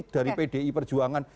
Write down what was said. dari pdi perjuangan